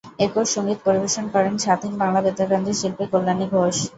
একক সংগীত পরিবেশন করেন স্বাধীন বাংলা বেতার কেন্দ্রের শিল্পী কল্যাণী ঘোষ।